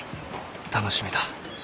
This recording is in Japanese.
楽しみだ。